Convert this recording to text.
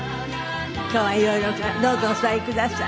今日は色々どうぞお座りください。